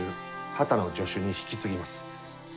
波多野助手に引き継ぎます。